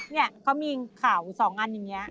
เนี่ยเขามีข่าว๒อันอย่างนี้